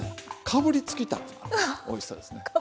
かぶりつきたくなるおいしさですね。